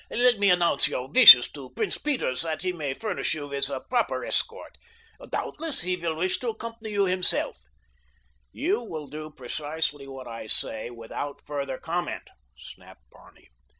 Let me announce your wishes to Prince Peter that he may furnish you with a proper escort. Doubtless he will wish to accompany you himself, sire." "You will do precisely what I say without further comment," snapped Barney.